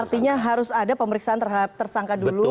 artinya harus ada pemeriksaan tersangka dulu